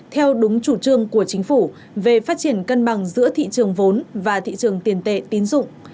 theo đúng chủ trương của chính phủ